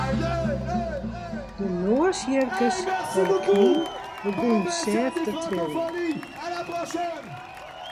De noashierkes fan de knyn begûnen sêft te triljen.